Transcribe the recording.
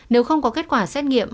nếu không có kết quả xét nghiệm